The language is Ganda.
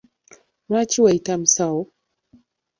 Lwaki weeyita musawo?